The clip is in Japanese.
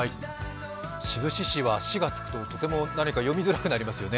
志布志市は「市」がつくとなんか読みづらくなりますよね。